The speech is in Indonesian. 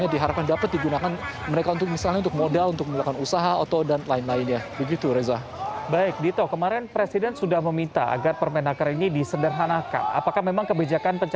yang tadi didampingi oleh sekjen